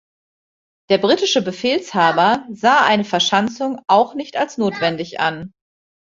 Der britische Befehlshaber sah eine Verschanzung auch nicht als notwendig an.